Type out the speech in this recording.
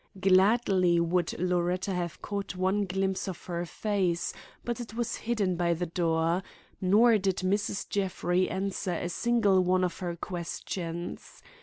Gladly would Loretta have caught one glimpse of her face, but it was hidden by the door; nor did Mrs. Jeffrey answer a single one of her questions.